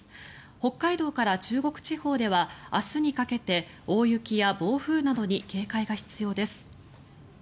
北海道から中国地方では明日にかけて大雪や暴風などに警戒が必要です。